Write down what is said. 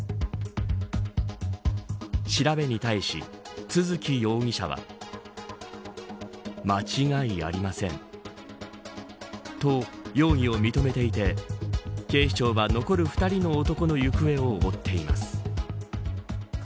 調べに対し、都築容疑者は。と容疑を認めていて警視庁は、残る２人の男の行方を追っています。